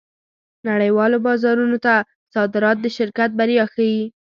نړۍوالو بازارونو ته صادرات د شرکت بریا ښيي.